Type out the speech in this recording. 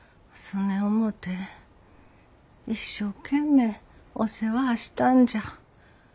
そねん思うて一生懸命お世話ぁしたんじゃ。